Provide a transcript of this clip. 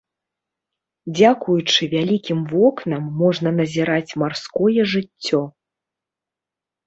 Дзякуючы вялікім вокнам можна назіраць марское жыццё.